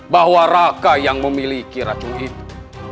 bahwa raka yang memiliki racun itu